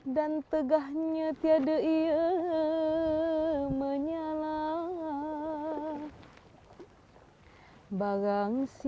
barang siapa mengenal diri